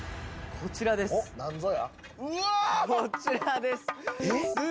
・こちらです